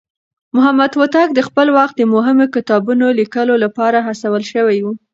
محمد هوتک د خپل وخت د مهمو کتابونو ليکلو لپاره هڅول شوی و.